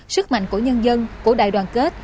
sức mạnh của nhân dân của đại đoàn kết